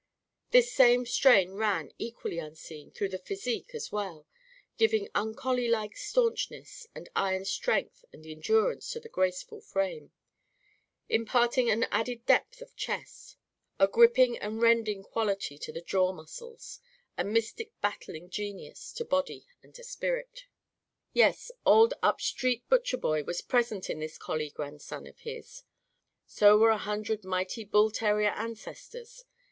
This same strain ran, equally unseen, through the physique as well; giving un collielike staunchness and iron strength and endurance to the graceful frame; imparting an added depth of chest, a gripping and rending quality to the jaw muscles; a mystic battling genius to body and to spirit. Yes, old Upstreet Butcherboy was present in this collie grandson of his. So were a hundred mighty bull terrier ancestors.